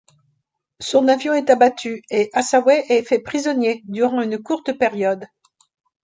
Son avion est abattu et Hathaway est fait prisonnier durant une courte période.